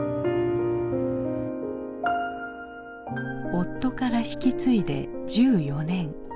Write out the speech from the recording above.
夫から引き継いで１４年。